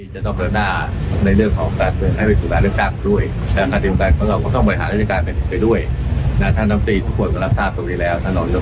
จะต้องเปิดหน้าในเรื่องของแฟนเติร์นให้ไปสู่รายเรื่องข้างด้วยแชร์คาร์ดีมการประกอบก็ต้องบริหาร